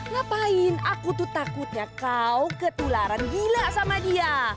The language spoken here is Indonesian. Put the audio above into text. ngapain aku tuh takutnya kau ketularan gila sama dia